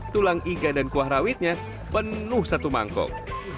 tulang iga dan kuah rawitnya penuh satu mangkok